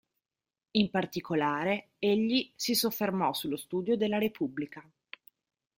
In particolare, egli si soffermò sullo studio della repubblica.